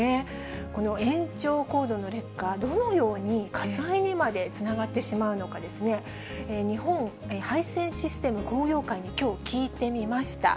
この延長コードの劣化、どのように火災にまでつながってしまうのか、日本配線システム工業会に、きょう聞いてみました。